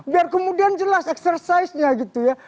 biar kemudian jelas eksersisnya gitu ya